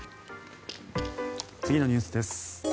次のニュースです。